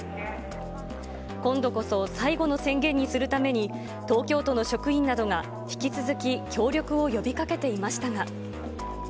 今度こそ最後の宣言にするために、東京都の職員などが引き続き協力を呼びかけていましたが。